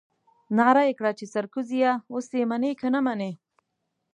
نعره يې کړه چې سرکوزيه اوس يې منې که نه منې.